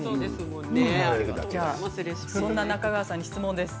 そんな中川さんに質問です。